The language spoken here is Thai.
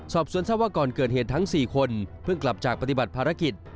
สอบสวนทราบว่าก่อนเกิดเหตุทั้ง๔คนเพิ่งกลับจากปฏิบัติภารกิจ